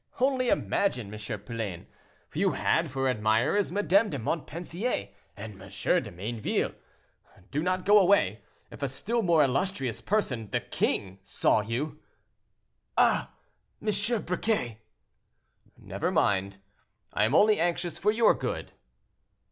Only imagine, M. Poulain; you had for admirers Madame de Montpensier and M. de Mayneville. Do not go away. If a still more illustrious person—the king—saw you—" "Ah! M. Briquet—" "Never mind; I am only anxious for your good."